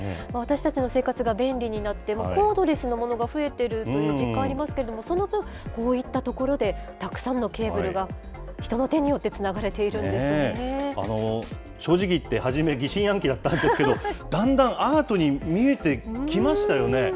私たちの生活が便利になって、コードレスなものが増えているという実感ありますけど、その分、こういったところでたくさんのケーブルが、人の手によってつなが正直言って、初め、疑心暗鬼だったんですけど、だんだんアートに見えてきましたよね。